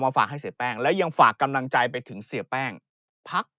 ฝากให้เสียแป้งแล้วยังฝากกำลังใจไปถึงเสียแป้งพัก